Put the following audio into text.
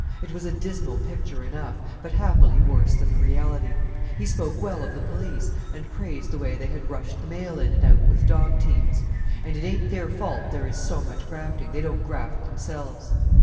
It was a dismal picture enough, but happily worse than the reality. He spoke well of the police, and praised the way they had rushed the mail in and out with dog teams. "And it ain't their fault there is so much grafting; they don't graft themselves."